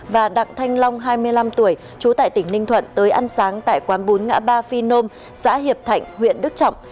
và đặng thanh long hai mươi năm tuổi trú tại tỉnh ninh thuận tới ăn sáng tại quán bốn ngã ba phi nôm xã hiệp thạnh huyện đức trọng